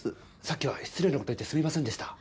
さっきは失礼な事を言ってすみませんでした。